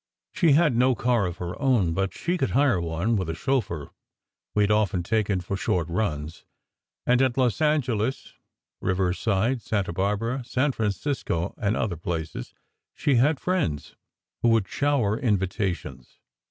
She had no car of her own, but she could hire one, with a chauffeur we had often taken for short runs, and at Los Angeles, Riverside, Santa Barbara, San Francisco, and other places, she had friends who would shower in vitations.